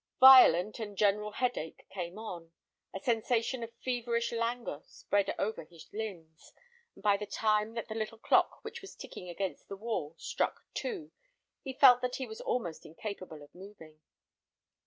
Violent and general headache came on, a sensation of feverish langour spread over his limbs, and by the time that the little clock which was ticking against the wall struck two, he felt that he was almost incapable of moving.